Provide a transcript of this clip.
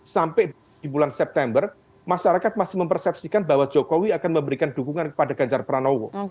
sampai di bulan september masyarakat masih mempersepsikan bahwa jokowi akan memberikan dukungan kepada ganjar pranowo